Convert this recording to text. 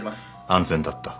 安全だった。